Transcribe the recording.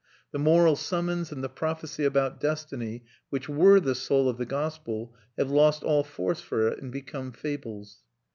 The moral summons and the prophecy about destiny which were the soul of the gospel have lost all force for it and become fables.